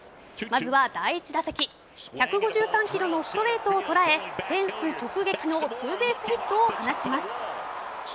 まずは第１打席１５３キロのストレートを捉えフェンス直撃のツーベースヒットを放ちます。